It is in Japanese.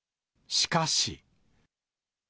しかし。